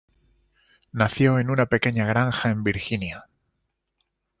Nació en una pequeña granja en Virginia.